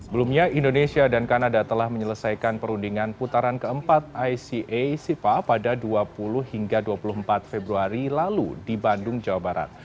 belumnya indonesia dan kanada telah menyelesaikan perundingan putaran keempat ica sipa pada dua puluh hingga dua puluh empat februari lalu di bandung jawa barat